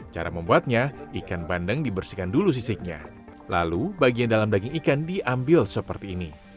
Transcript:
cara membuatnya ikan bandeng dibersihkan dulu sisiknya lalu bagian dalam daging ikan diambil seperti ini